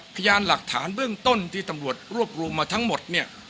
พยานหลักฐานเบื้องต้นที่ตำรวจรวบรวมมาทั้งหมดเนี่ย